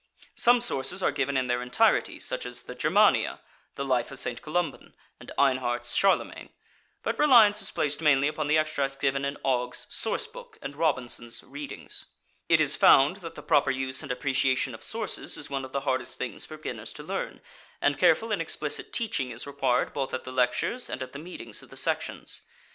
Some sources are given in their entirety, such as the "Germania," the "Life of St. Columban," and Einhard's "Charlemagne"; but reliance is placed mainly upon the extracts given in Ogg's "Source Book" and Robinson's "Readings." It is found that the proper use and appreciation of sources is one of the hardest things for beginners to learn, and careful and explicit teaching is required both at the lectures and at the meetings of the sections.